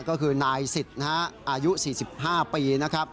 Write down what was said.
ก็คือนายสิทธิ์อายุ๔๕ปี